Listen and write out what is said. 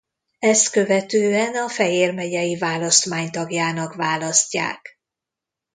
Ezt követően a Fejér megyei választmány tagjának választják.